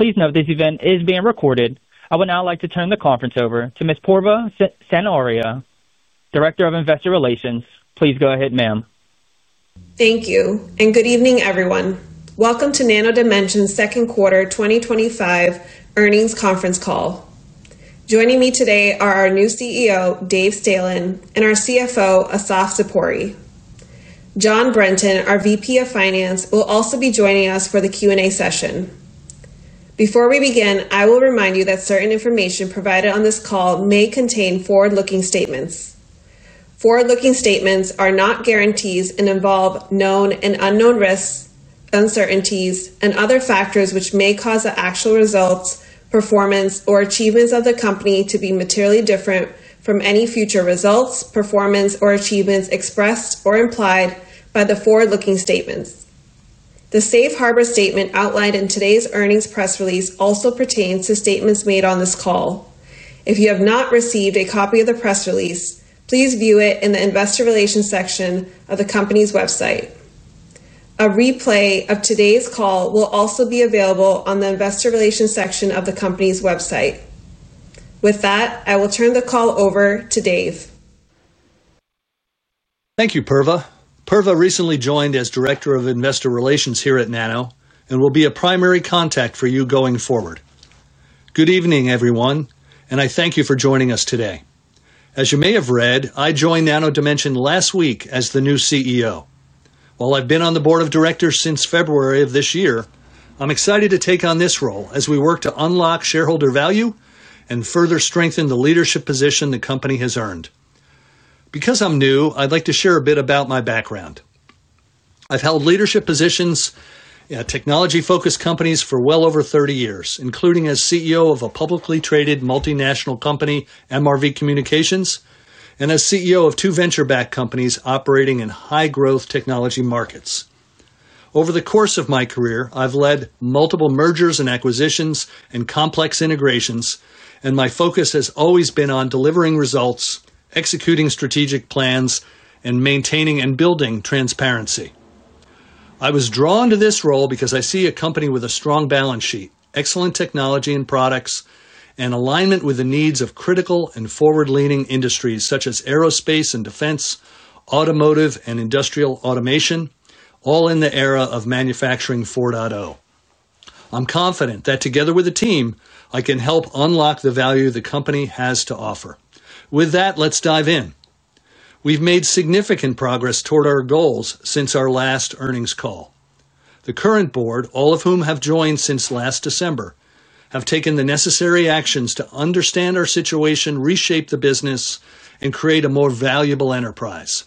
Please note this event is being recorded. I would now like to turn the conference over to Ms. Purva Senauria, Director of Investor Relations. Please go ahead, ma'am. Thank you, and good evening, everyone. Welcome to Nano Dimension's second quarter 2025 earnings conference call. Joining me today are our new CEO, Yoav Stern, and our CFO, Assaf Zipori. John Brenton, our VP of Finance, will also be joining us for the Q&A session. Before we begin, I will remind you that certain information provided on this call may contain forward-looking statements. Forward-looking statements are not guarantees and involve known and unknown risks, uncertainties, and other factors which may cause the actual results, performance, or achievements of the company to be materially different from any future results, performance, or achievements expressed or implied by the forward-looking statements. The safe harbor statement outlined in today's earnings press release also pertains to statements made on this call. If you have not received a copy of the press release, please view it in the Investor Relations section of the company's website. A replay of today's call will also be available on the Investor Relations section of the company's website. With that, I will turn the call over to Yoav. Thank you. Good evening, everyone, and I thank you for joining us today. As you may have read, I joined Nano Dimension last week as the new CEO. While I've been on the Board of Directors since February of this year, I'm excited to take on this role as we work to unlock shareholder value and further strengthen the leadership position the company has earned. Because I'm new, I'd like to share a bit about my background. I've held leadership positions in technology-focused companies for well over 30 years, including as CEO of a publicly traded multinational company, MRV Communications, and as CEO of two venture-backed companies operating in high-growth technology markets. Over the course of my career, I've led multiple mergers and acquisitions and complex integrations, and my focus has always been on delivering results, executing strategic plans, and maintaining and building transparency. I was drawn to this role because I see a company with a strong balance sheet, excellent technology and products, and alignment with the needs of critical and forward-leaning industries such as aerospace and defense, automotive and industrial automation, all in the era of manufacturing 4.0. I'm confident that together with the team, I can help unlock the value the company has to offer. With that, let's dive in. We've made significant progress toward our goals since our last earnings call. The current board, all of whom have joined since last December, have taken the necessary actions to understand our situation, reshape the business, and create a more valuable enterprise.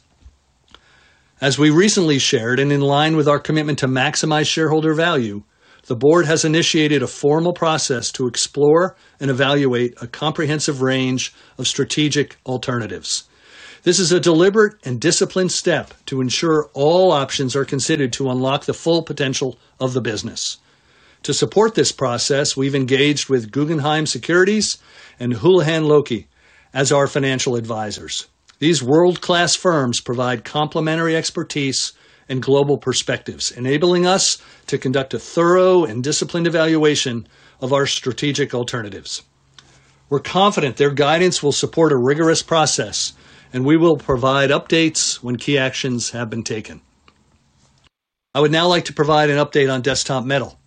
As we recently shared, and in line with our commitment to maximize shareholder value, the board has initiated a formal process to explore and evaluate a comprehensive range of strategic alternatives. This is a deliberate and disciplined step to ensure all options are considered to unlock the full potential of the business. To support this process, we've engaged with Guggenheim Securities and Houlihan Lokey as our financial advisors. These world-class firms provide complementary expertise and global perspectives, enabling us to conduct a thorough and disciplined evaluation of our strategic alternatives. We're confident their guidance will support a rigorous process, and we will provide updates when key actions have been taken. I would now like to provide an update on Desktop Metal,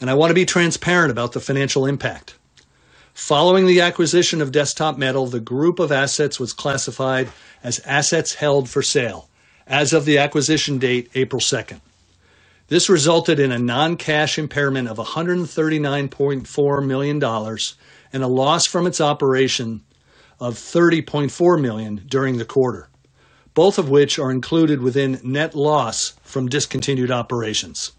and I want to be transparent about the financial impact. Following the acquisition of Desktop Metal, the group of assets was classified as assets held for sale as of the acquisition date, April 2. This resulted in a non-cash impairment of $139.4 million and a loss from its operation of $30.4 million during the quarter, both of which are included within net loss from discontinued operations.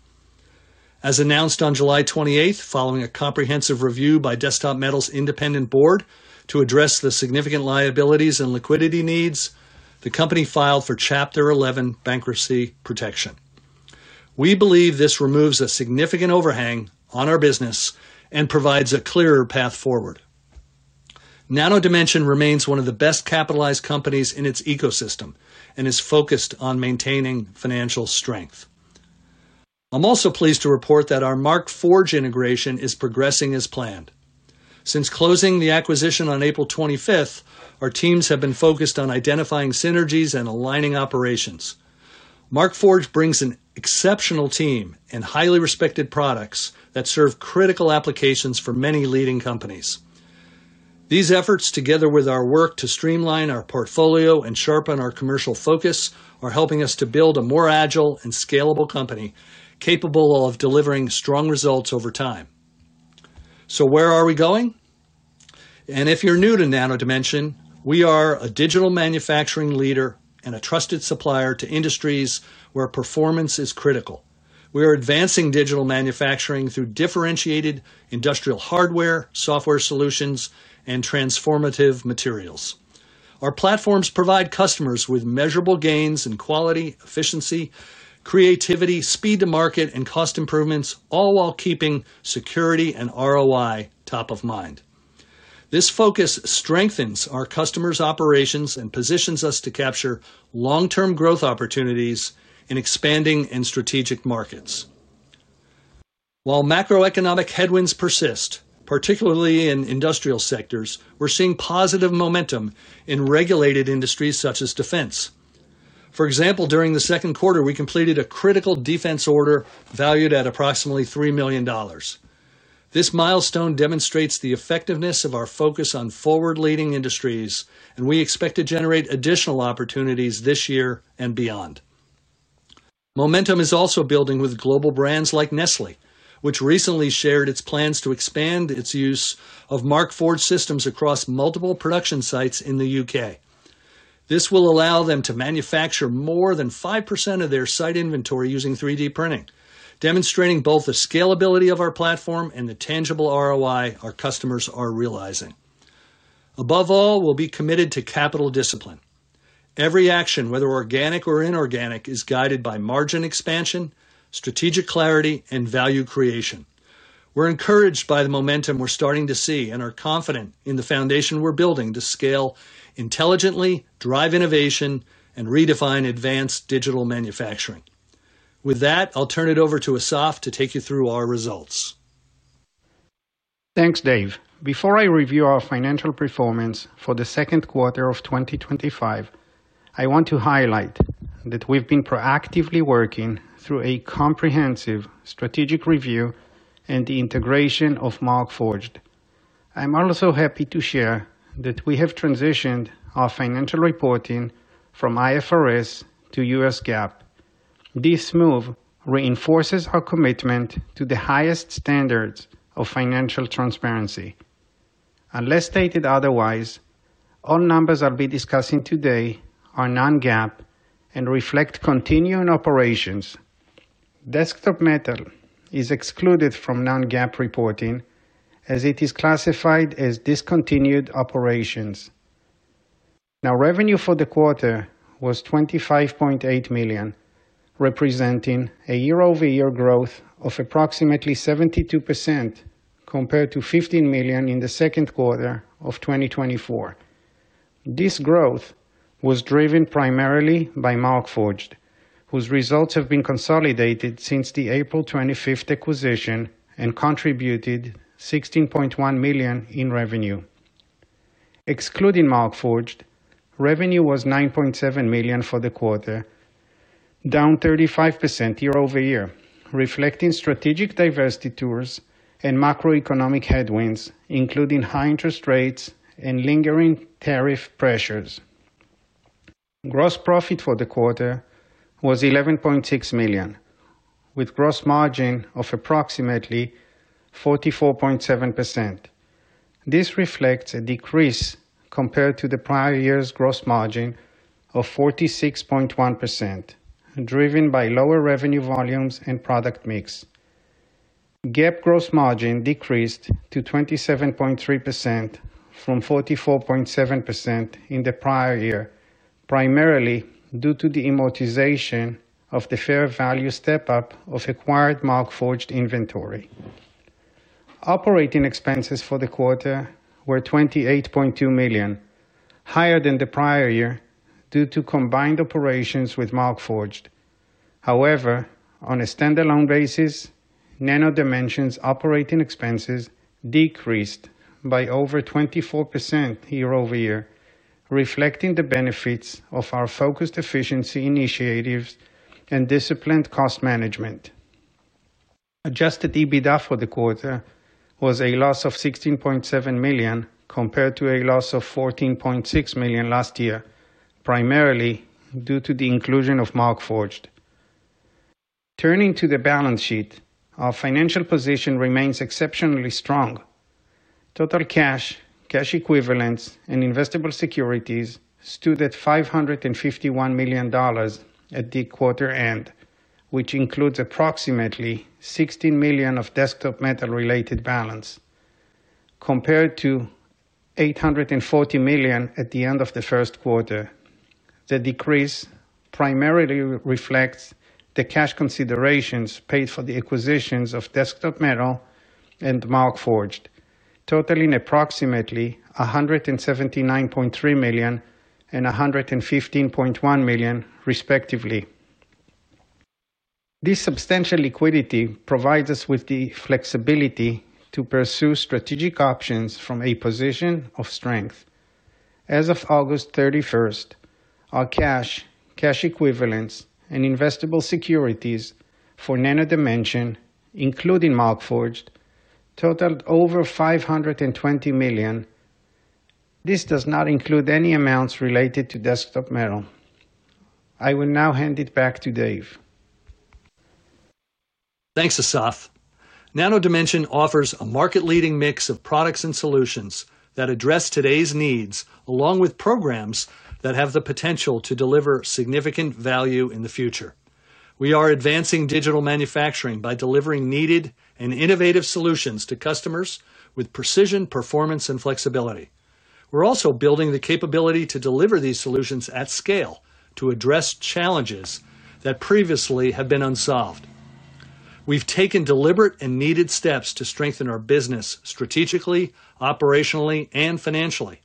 As announced on July 28, following a comprehensive review by Desktop Metal's independent board to address the significant liabilities and liquidity needs, the company filed for Chapter 11 bankruptcy protection. We believe this removes a significant overhang on our business and provides a clearer path forward. Nano Dimension remains one of the best capitalized companies in its ecosystem and is focused on maintaining financial strength. I'm also pleased to report that our Markforged integration is progressing as planned. Since closing the acquisition on April 25, our teams have been focused on identifying synergies and aligning operations. Markforged brings an exceptional team and highly respected products that serve critical applications for many leading companies. These efforts, together with our work to streamline our portfolio and sharpen our commercial focus, are helping us to build a more agile and scalable company capable of delivering strong results over time. Where are we going? If you're new to Nano Dimension, we are a digital manufacturing leader and a trusted supplier to industries where performance is critical. We are advancing digital manufacturing through differentiated industrial hardware, software solutions, and transformative materials. Our platforms provide customers with measurable gains in quality, efficiency, creativity, speed to market, and cost improvements, all while keeping security and ROI top of mind. This focus strengthens our customers' operations and positions us to capture long-term growth opportunities in expanding and strategic markets. While macroeconomic headwinds persist, particularly in industrial sectors, we're seeing positive momentum in regulated industries such as defense. For example, during the second quarter, we completed a critical defense order valued at approximately $3 million. This milestone demonstrates the effectiveness of our focus on forward-leaning industries, and we expect to generate additional opportunities this year and beyond. Momentum is also building with global brands like Nestlé, which recently shared its plans to expand its use of Markforged systems across multiple production sites in the UK. This will allow them to manufacture more than 5% of their site inventory using 3D printing, demonstrating both the scalability of our platform and the tangible ROI our customers are realizing. Above all, we'll be committed to capital discipline. Every action, whether organic or inorganic, is guided by margin expansion, strategic clarity, and value creation. We're encouraged by the momentum we're starting to see and are confident in the foundation we're building to scale intelligently, drive innovation, and redefine advanced digital manufacturing. With that, I'll turn it over to Assaf to take you through our results. Thanks, Yoav. Before I review our financial performance for the second quarter of 2025, I want to highlight that we've been proactively working through a comprehensive strategic review and the integration of Markforged. I'm also happy to share that we have transitioned our financial reporting from IFRS to U.S. GAAP. This move reinforces our commitment to the highest standards of financial transparency. Unless stated otherwise, all numbers I'll be discussing today are non-GAAP and reflect continuing operations. Desktop Metal is excluded from non-GAAP reporting as it is classified as discontinued operations. Now, revenue for the quarter was $25.8 million, representing a year-over-year growth of approximately 72% compared to $15 million in the second quarter of 2024. This growth was driven primarily by Markforged, whose results have been consolidated since the April 25th acquisition and contributed $16.1 million in revenue. Excluding Markforged, revenue was $9.7 million for the quarter, down 35% year over year, reflecting strategic diversity tools and macroeconomic headwinds, including high interest rates and lingering tariff pressures. Gross profit for the quarter was $11.6 million, with a gross margin of approximately 44.7%. This reflects a decrease compared to the prior year's gross margin of 46.1%, driven by lower revenue volumes and product mix. GAAP gross margin decreased to 27.3% from 44.7% in the prior year, primarily due to the amortization of the fair value step-up of acquired Markforged inventory. Operating expenses for the quarter were $28.2 million, higher than the prior year due to combined operations with Markforged. However, on a standalone basis, Nano Dimension's operating expenses decreased by over 24% year over year, reflecting the benefits of our focused efficiency initiatives and disciplined cost management. Adjusted EBITDA for the quarter was a loss of $16.7 million compared to a loss of $14.6 million last year, primarily due to the inclusion of Markforged. Turning to the balance sheet, our financial position remains exceptionally strong. Total cash, cash equivalents, and investable securities stood at $551 million at the quarter end, which includes approximately $16 million of Desktop Metal-related balance, compared to $840 million at the end of the first quarter. The decrease primarily reflects the cash considerations paid for the acquisitions of Desktop Metal and Markforged, totaling approximately $179.3 million and $115.1 million, respectively. This substantial liquidity provides us with the flexibility to pursue strategic options from a position of strength. As of August 31st, our cash, cash equivalents, and investable securities for Nano Dimension, including Markforged, totaled over $520 million. This does not include any amounts related to Desktop Metal. I will now hand it back to Yoav. Thanks, Assaf. Nano Dimension offers a market-leading mix of products and solutions that address today's needs, along with programs that have the potential to deliver significant value in the future. We are advancing digital manufacturing by delivering needed and innovative solutions to customers with precision, performance, and flexibility. We're also building the capability to deliver these solutions at scale to address challenges that previously have been unsolved. We've taken deliberate and needed steps to strengthen our business strategically, operationally, and financially.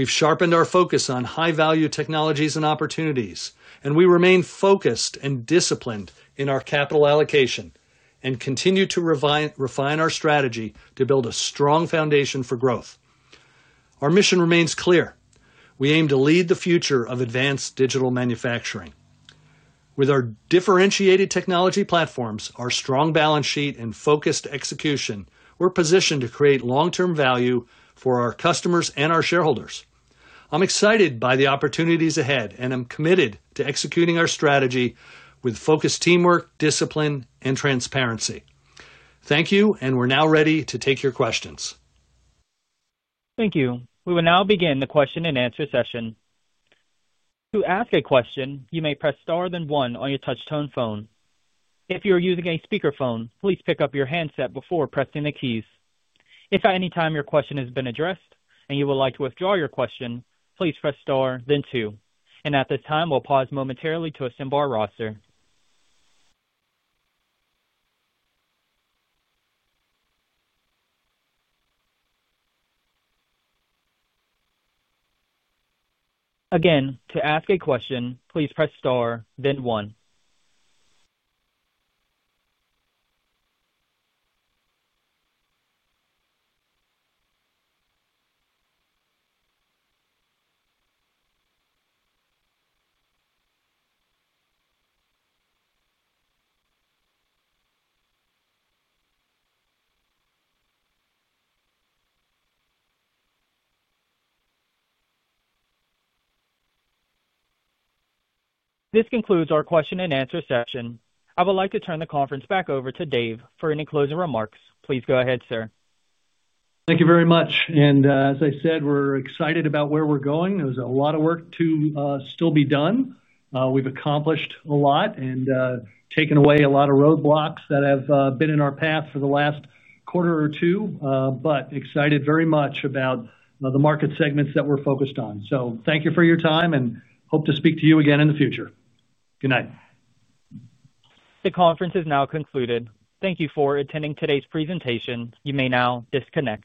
We've sharpened our focus on high-value technologies and opportunities, and we remain focused and disciplined in our capital allocation and continue to refine our strategy to build a strong foundation for growth. Our mission remains clear. We aim to lead the future of advanced digital manufacturing. With our differentiated technology platforms, our strong balance sheet, and focused execution, we're positioned to create long-term value for our customers and our shareholders. I'm excited by the opportunities ahead, and I'm committed to executing our strategy with focused teamwork, discipline, and transparency. Thank you, and we're now ready to take your questions. Thank you. We will now begin the question and answer session. To ask a question, you may press star then one on your touch-tone phone. If you're using a speakerphone, please pick up your handset before pressing the keys. If at any time your question has been addressed and you would like to withdraw your question, please press star then two. At this time, we'll pause momentarily to assemble our roster. Again, to ask a question, please press star then one. This concludes our question and answer session. I would like to turn the conference back over to Yoav Stern for any closing remarks. Please go ahead, sir. Thank you very much. As I said, we're excited about where we're going. There's a lot of work to still be done. We've accomplished a lot and taken away a lot of roadblocks that have been in our path for the last quarter or two, excited very much about the market segments that we're focused on. Thank you for your time and hope to speak to you again in the future. Good night. The conference is now concluded. Thank you for attending today's presentation. You may now disconnect.